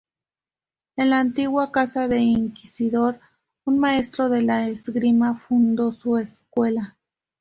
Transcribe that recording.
En la antigua Casa del Inquisidor, un maestro de la esgrima fundó su escuela.